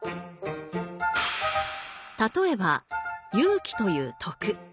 例えば「勇気」という徳。